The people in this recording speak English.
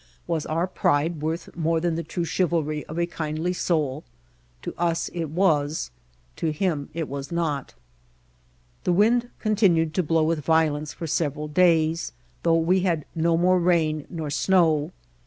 Was our pride worth more than the true chivalry of a kindly soul? To us it was, to him it was not. The wind continued to blow with violence for several days, though we had no more rain nor snow.